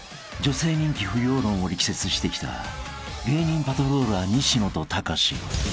女性人気不要論を力説してきた芸人パトローラー西野とたかし］